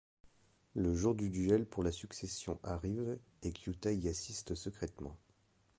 Le jour du duel pour la succession arrive, et Kyûta y assiste secrètement.